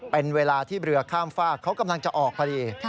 เป็นเวลาที่เรือข้ามฝากเขากำลังจะออกพอดี